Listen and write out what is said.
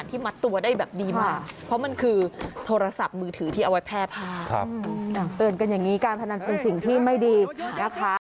ที่มีเป็นเต็นต์สังเวียนไก่ชนอยู่ค่ะ